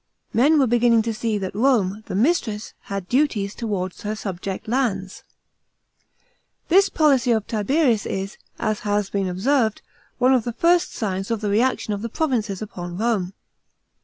Men were beginning to see that Home, the mistress, had duties towards her subject lands. This policy of Tiberius is, as has been observed, one of the first signs of the reaction of the provinces upon Rome.